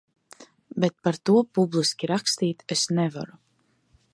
Bet par to publiski rakstīt es nevaru.